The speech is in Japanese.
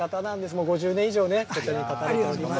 もう５０年以上ね、店に立たれております。